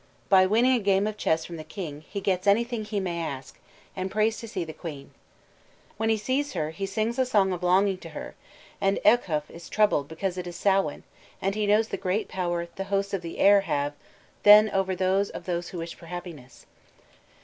By winning a game of chess from the King, he gets anything he may ask, and prays to see the Queen. When he sees her he sings a song of longing to her, and Eochaidh is troubled because it is Samhain, and he knows the great power the hosts of the air "have then over those who wish for happiness."